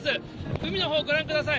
海のほう、ご覧ください。